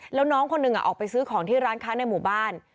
แล้วน้องคนหนึ่งออกไปซื้อของที่ร้านค้าในหมู่บ้าน